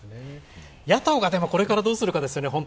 野党がこれからどうするかですよね。